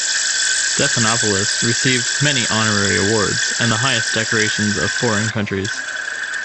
Stephanopoulos received many honorary awards and the highest decorations of foreign countries.